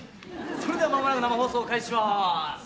それでは間もなく生放送を開始しまーす。